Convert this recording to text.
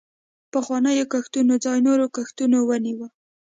پخوانیو کښتونو ځای نورو کښتونو ونیوه.